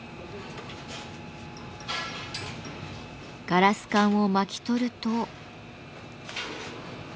ガラス管を巻き取ると。